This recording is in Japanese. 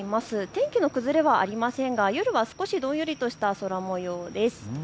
天気の崩れはありませんが夜は少しどんよりとした空もようです。